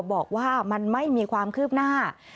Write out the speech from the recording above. บอกว่ามันไม่มีความคืบหน้า